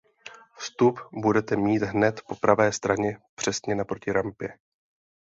Vstup budete mít hned po pravé straně přesně naproti rampě.